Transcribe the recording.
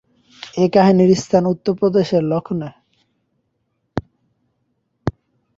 এই কাহিনীর স্থান উত্তরপ্রদেশের লক্ষ্ণৌ।